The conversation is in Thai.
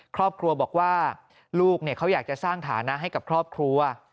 ครอบครัวบอกว่าลูกเขาอยากจะสร้างฐานะให้กับครอบครัว